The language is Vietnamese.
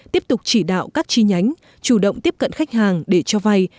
tiếp tục chỉ đạo các chi nhánh chủ động tiếp cận khách hàng để cho vay